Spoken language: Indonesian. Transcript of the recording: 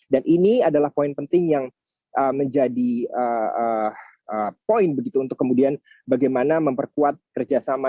dan ini adalah poin penting yang menjadi poin begitu untuk kemudian bagaimana memperkuat kerjasama